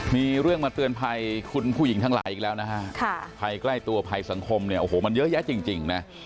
มีเรื่องมาเตือนภัยคุณผู้หญิงทั้งหลายอีกแล้วนะฮะภัยใกล้ตัวภัยสังคมเนี่ยโอ้โหมันเยอะแยะจริงนะ